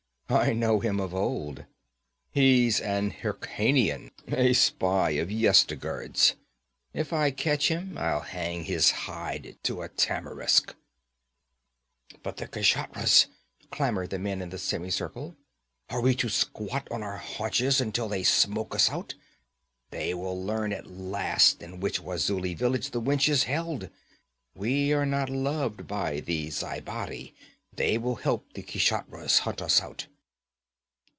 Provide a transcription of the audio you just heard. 'I know him of old. He's an Hyrkanian, a spy of Yezdigerd's. If I catch him I'll hang his hide to a tamarisk.' 'But the Kshatriyas!' clamored the men in the semicircle. 'Are we to squat on our haunches until they smoke us out? They will learn at last in which Wazuli village the wench is held. We are not loved by the Zhaibari; they will help the Kshatriyas hunt us out.'